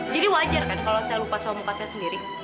wajar kan kalau saya lupa sama muka saya sendiri